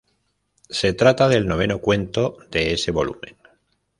Se trata del noveno cuento de ese volumen.